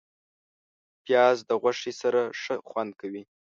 پیاز د غوښې سره ښه خوند کوي